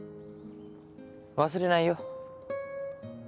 忘れないよ。